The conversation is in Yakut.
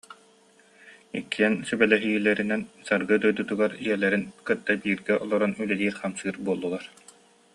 Иккиэн сүбэлэһиилэринэн Саргы дойдутугар ийэлэрин кытта бииргэ олорон үлэлиир-хамсыыр буоллулар